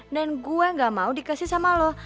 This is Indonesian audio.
dan gue gak mau dikasih sama lo